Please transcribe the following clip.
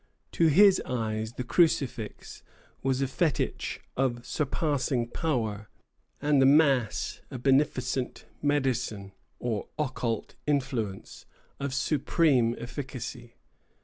To his eyes the crucifix was a fetich of surpassing power, and the mass a beneficent "medicine," or occult influence, of supreme efficacy.